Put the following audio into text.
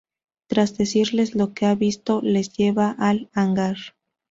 Tras decirles lo que ha visto, les lleva al hangar.